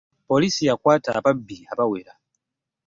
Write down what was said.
Poliisi yakwata ababbi abawera.